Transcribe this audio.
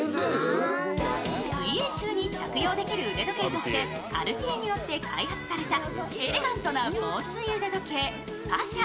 水泳中に着用できる腕時計としてカルティエによって開発されたエレガントな防水腕時計パシャ。